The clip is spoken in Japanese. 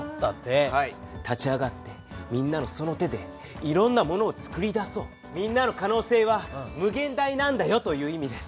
立ち上がってみんなのその手でいろんなものをつくり出そうみんなの可能性は無限大なんだよという意味です。